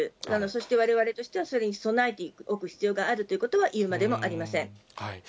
そしてわれわれとしてはそれに備えておく必要があるということは、言うまでもありません。